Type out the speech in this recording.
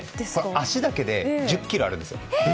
足だけで１０ｋｇあるんです。